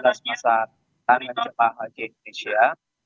dari sebelas masa tangan jemaah haji indonesia